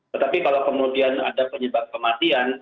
tetapi kalau kemudian ada penyebab kematian